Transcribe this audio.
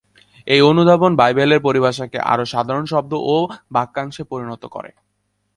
এই অনুবাদ বাইবেলের পরিভাষাকে আরও সাধারণ শব্দ ও বাক্যাংশে পরিণত করে।